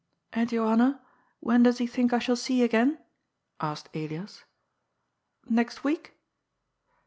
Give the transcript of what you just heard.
" And, Johanna, when does he think I shall see again ?" asked Elias. " Next week